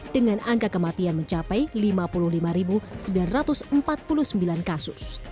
dengan angka kematian mencapai lima puluh lima sembilan ratus empat puluh sembilan kasus